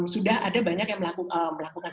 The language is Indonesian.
sudah ada banyak yang melakukan